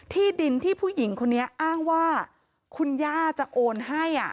ที่ดินที่ผู้หญิงคนนี้อ้างว่าคุณย่าจะโอนให้